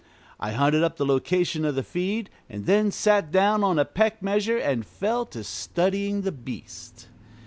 I hunted up the location of the feed, and then sat down on a peck measure and fell to studying the beast.